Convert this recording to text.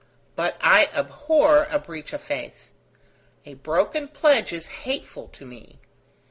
But I abhor a breach of faith. A broken pledge is hateful to me.